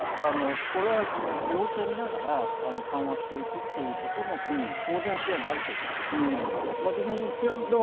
様子を見ながら緩和していくということも当然、視野に入っていると思います。